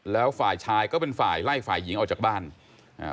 แล้วฝ่ายชายก็เป็นฝ่ายไล่ฝ่ายหญิงออกจากบ้านอ่า